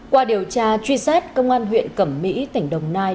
qua điều tra truy xét công an huyện cẩm mỹ tỉnh đồng nai